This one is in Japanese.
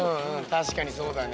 たしかにそうだね。